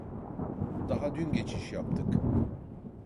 Daha dün geçiş yaptık